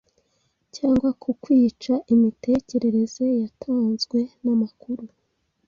Cyangwa kukwica, imitekerereze yatanzwe namakuru